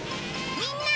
みんな！